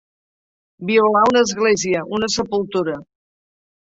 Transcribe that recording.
Violar una església, una sepultura.